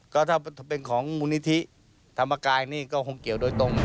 ก็ถ้าเป็นของมูลนิธิธรรมกายนี่ก็คงเกี่ยวโดยตรง